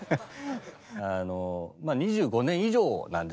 まあ２５年以上なんですね